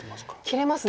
切れますね。